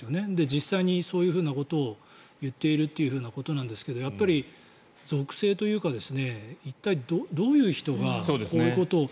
実際にそういうふうなことを言っているということなんですがやっぱり属性というか一体どういう人がこういうことを。